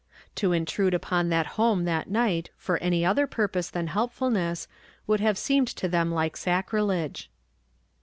To intrude upon that home that night for any other purpose than helpfulness would have seemed to them like sacrilege.